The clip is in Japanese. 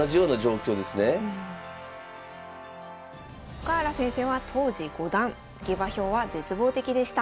深浦先生は当時五段下馬評は絶望的でした。